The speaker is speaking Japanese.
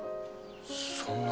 そんなの。